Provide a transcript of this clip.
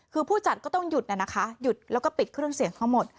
คือผู้จัดก็ต้องหยุดนะคะหยุดแล้วก็ปิดเครื่องเสียงทั้งหมด